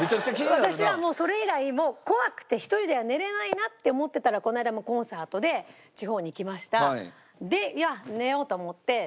私はもうそれ以来もう怖くて１人では寝れないなって思ってたらこの間もコンサートで地方に行きました。